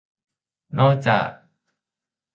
นอกจาก